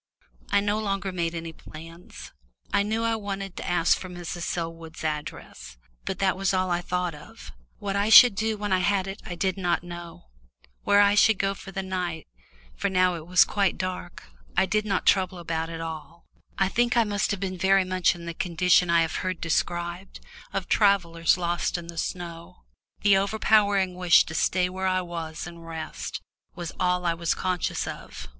I no longer made any plans. I knew I wanted to ask for Mrs. Selwood's address, but that was all I thought of. What I should do when I had got it I did not know; where I should go for the night, for it was now quite dark, I did not trouble about in the least. I think I must have been very much in the condition I have heard described, of travellers lost in the snow the overpowering wish to stay where I was and rest, was all I was conscious of.